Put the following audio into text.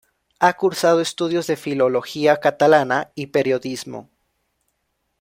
Ha cursado estudios de Filología Catalana y Periodismo.